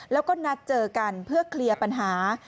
แล้วก็นัดเจอกันเพื่อเคลียร์ปัญหา